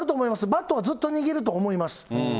バットはずっと握ると思います。